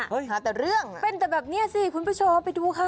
เฮ้ยหาแต่เรื่องน่ะเป็นแต่แบบนี้สิคุณพระโชว์ไปดูค่ะ